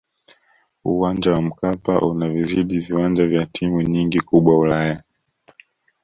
uwanja wa mkapa unavizidi viwanja vya timu nyingi kubwa ulaya